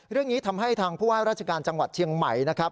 เรื่องนี้ทำให้ทางผู้ว่าราชการจังหวัดเชียงใหม่นะครับ